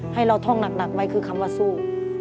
ให้เราท่องหนักไหมคือคำว่าสู้